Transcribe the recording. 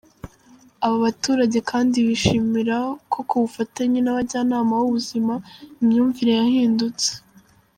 Aba baturage kandi bishimira ko ku bufatanye n’abajyanama b’ubuzima, imyumvire yahindutse.